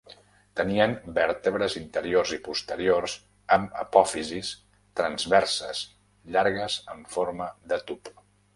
Tenien vèrtebres interiors i posteriors amb apòfisis transverses llargues en forma de tub.